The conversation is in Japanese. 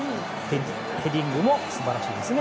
ヘディングも素晴らしいですね。